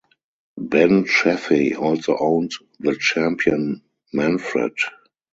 Ben Chaffey also owned the champion Manfred.